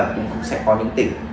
cũng sẽ có những tỉnh